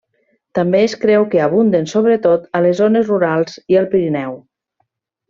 També es creu que abunden sobretot a les zones rurals i al Pirineu.